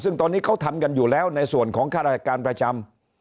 ซึ่งตอนนี้เขาทำกันอยู่แล้วในส่วนของข้าราชการประจำ